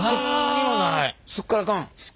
すっからかん。